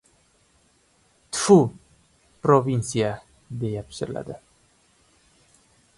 — T-fu, provinsiya! — deya pichirladi.